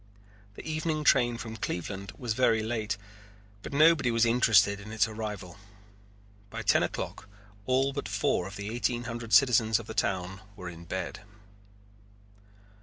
The evening train from Cleveland was very late but nobody was interested in its arrival. By ten o'clock all but four of the eighteen hundred citizens of the town were in bed.